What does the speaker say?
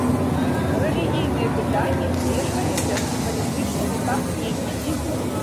Рэлігійныя пытанні змешваліся з палітычнымі памкненнямі.